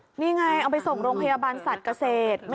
นี่ไงเอาไปส่งโรงพยาบาลสัตว์เกษตร